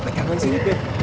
beb kamu pegangin sini beb